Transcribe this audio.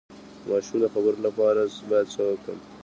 د ماشوم د خبرو لپاره باید څه وکړم؟